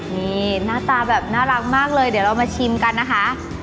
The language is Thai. นี่หน้าตาแบบน่ารักมากเลยเดี๋ยวเรามาชิมกันนะคะ